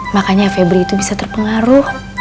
makanya febri itu bisa terpengaruh